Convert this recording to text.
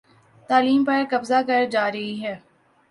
تعلیم پر قبضہ کر جا رہی ہے